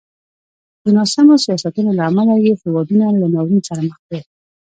د ناسمو سیاستونو له امله یې هېوادونه له ناورین سره مخ کړل.